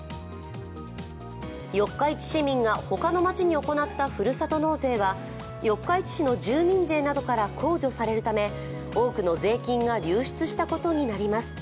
四日市市民がほかの街に行ったふるさと納税は四日市市の住民税などから控除されるため多くの税金が流出したことになります。